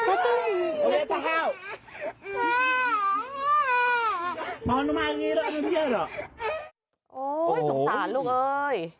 โอ้โหสงสารลูกเอ้ย